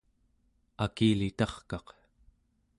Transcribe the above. akilitarkaq